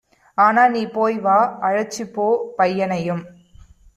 ஆனாநீ போய்வா, அழைச்சிப்போ பையனையும்